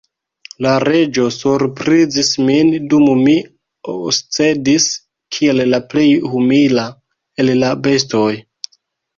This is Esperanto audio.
La Reĝo surprizis min, dum mi oscedis kiel la plej humila el la bestoj.